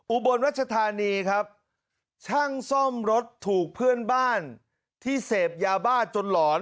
อุบลรัชธานีครับช่างซ่อมรถถูกเพื่อนบ้านที่เสพยาบ้าจนหลอน